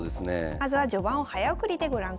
まずは序盤を早送りでご覧ください。